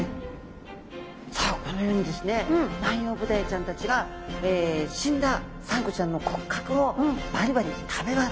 さあこのようにですねナンヨウブダイちゃんたちが死んだサンゴちゃんの骨格をバリバリ食べます。